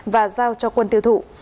và giao cho quân tiêu thụ